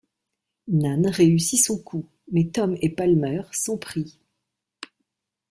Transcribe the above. Nan réussit son coup, mais Tom et Palmer sont pris.